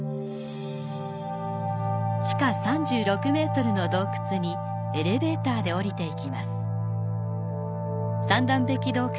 地下３６ｍの洞窟にエレベータで下りていきます。